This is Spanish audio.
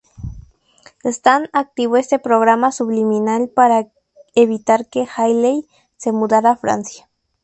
Stan activó este programa subliminal para evitar que Hayley se mudara a Francia.